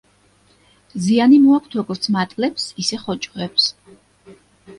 ზიანი მოაქვთ როგორც მატლებს, ისე ხოჭოებს.